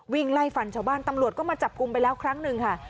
วิ่งไล่ฟันชาวบ้านตำรวจก็มาจับกลุ่มไปแล้วครั้งหนึ่งค่ะ